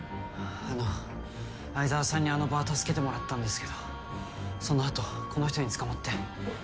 あの愛沢さんにあの場は助けてもらったんですけどそのあとこの人に捕まって。